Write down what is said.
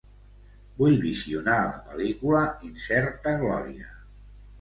Vull visionar la pel·lícula "Incerta glòria".